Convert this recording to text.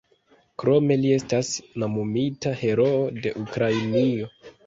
Krome li estas nomumita "Heroo de Ukrainio".